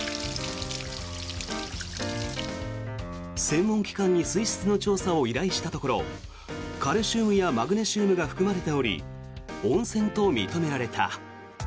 専門機関に水質の調査を依頼したところカルシウムやマグネシウムが含まれており温泉と認められた。